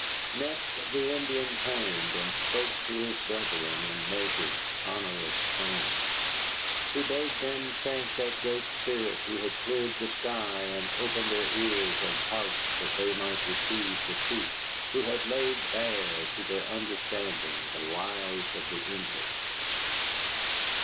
Next the Indian turned, and spoke to his brethren in measured, sonorous tones. He bade them thank that Great Spirit who had cleared the sky and opened their ears and hearts that they might receive the truth, who had laid bare to their understanding the lies of the English.